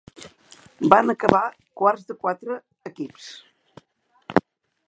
Van acabar quarts de quatre equips.